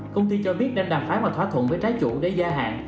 công ty cho biết đang đàm phá một thỏa thuận với trái chủ để gia hạn